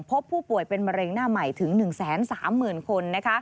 พบผู้ป่วยเป็นมะเร็งหน้าใหม่ถึง๑๓๐๐๐คน